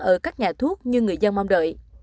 ở các nhà thuốc như người dân mong đợi